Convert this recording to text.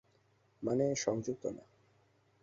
মানে, সংযুক্ত না।